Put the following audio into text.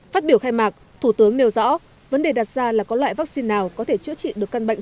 phát biểu khai mạc thủ tướng nêu rõ vấn đề đặt ra là có loại vaccine nào có thể chữa trị được căn bệnh